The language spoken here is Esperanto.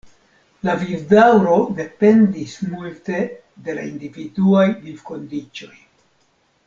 La vivdaŭro dependis multe de la individuaj vivkondiĉoj.